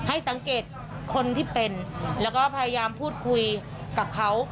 ให้สังเกตคนที่เป็นแล้วก็พยายามพูดคุยกับเขา